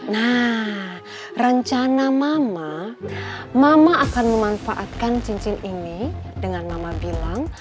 nah rencana mama mama akan memanfaatkan cincin ini dengan nama bilang